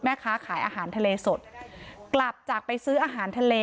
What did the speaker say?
แม่ค้าขายอาหารทะเลสดกลับจากไปซื้ออาหารทะเล